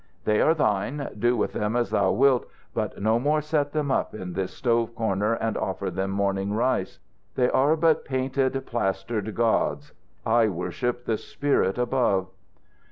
"They are thine. Do with them as thou wilt, but no more set them up in this stove corner and offer them morning rice. They are but painted, plastered gods. I worship the spirit above."